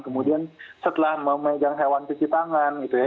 kemudian setelah memegang hewan cuci tangan gitu ya